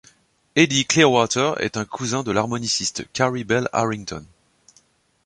Eddy Clearwater est un cousin de l'harmoniciste Carey Bell Harrington.